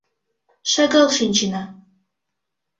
Шагал шинчена.